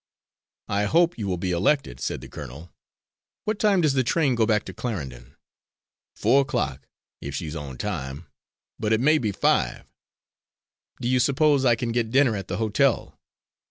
"I hope you will be elected," said the colonel. "What time does the train go back to Clarendon?" "Four o'clock, if she's on time but it may be five." "Do you suppose I can get dinner at the hotel?"